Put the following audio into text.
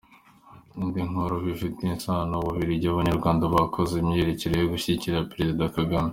Indi nkuru bifitanye isano : U Bubiligi: Abanyarwanda bakoze imyiyereko yo gushyigikira Perezida Kagame.